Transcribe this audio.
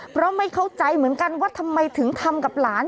เพราะไม่เข้าใจเหมือนกันว่าทำไมถึงทำกับหลาน